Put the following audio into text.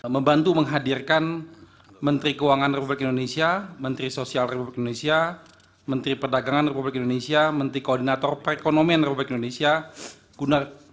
membantu menghadirkan menteri keuangan republik indonesia menteri sosial republik indonesia menteri perdagangan republik indonesia menteri koordinator perekonomian republik indonesia gunard